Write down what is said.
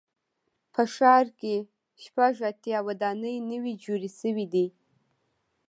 په ښار کې شپږ اتیا ودانۍ نوي جوړې شوې دي.